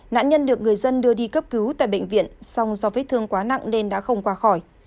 nạn nhân được người dân đưa đi cấp cứu tại bệnh viện song do vết thương quá nặng nên đã không qua khỏi